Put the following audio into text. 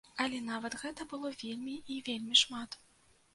Але нават гэта было вельмі і вельмі шмат.